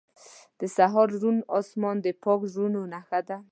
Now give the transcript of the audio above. • د سهار روڼ آسمان د پاک زړونو نښه ده.